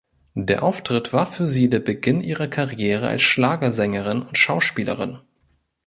Der Auftritt war für sie der Beginn ihrer Karriere als Schlagersängerin und Schauspielerin.